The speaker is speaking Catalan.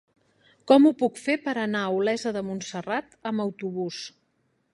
Com ho puc fer per anar a Olesa de Montserrat amb autobús?